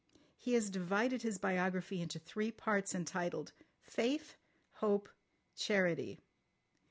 He has divided his biography into three parts, entitled—'Faith, Hope, Charity.